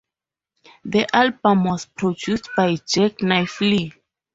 The album was produced by Jacknife Lee.